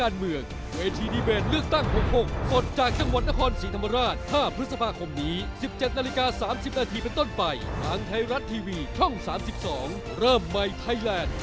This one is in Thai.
เริ่มใหม่ไทแลนด์